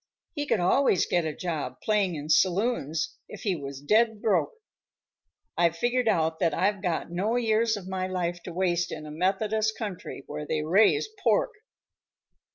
He could always get a job playing in saloons if he was dead broke. I've figured out that I've got no years of my life to waste in a Methodist country where they raise pork."